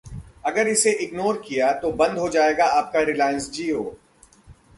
अगर इसे इग्नोर किया तो बंद हो जाएगा आपका रिलायंस जियो